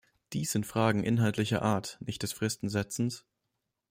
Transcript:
Dies sind Fragen inhaltlicher Art, nicht des Fristensetzens.